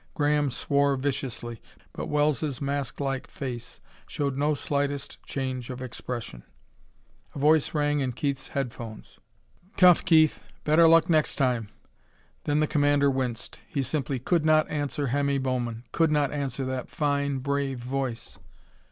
Graham swore viciously, but Wells' masklike face showed no slightest change of expression.... A voice rang in Keith's headphones. "Tough, Keith! Better luck next time!" Then the commander winced. He simply could not answer Hemmy Bowman; could not answer that fine, brave voice....